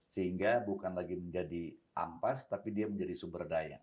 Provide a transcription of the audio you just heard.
sehingga bukan lagi menjadi ampas tapi dia menjadi sumber daya